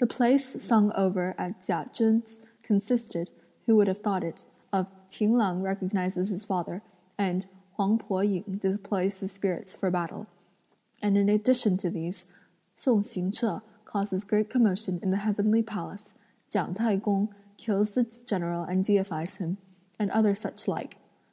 The plays sung over at Chia Chen's consisted, who would have thought it, of "Ting L'ang recognises his father," and "Huang Po ying deploys the spirits for battle," and in addition to these, "Sung Hsing che causes great commotion in the heavenly palace;" "Ghiang T'ai kung kills the general and deifies him," and other such like.